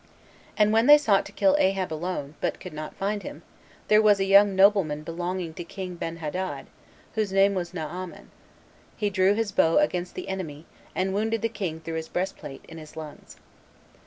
And when they sought to kill Ahab alone, but could not find him, there was a young nobleman belonging to king Benhadad, whose name was Naaman; he drew his bow against the enemy, and wounded the king through his breastplate, in his lungs.